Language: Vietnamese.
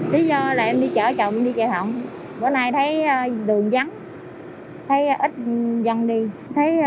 hôm nay anh đi chích ngừa nhưng mà chích thì đi chứ không thì cũng ở nhà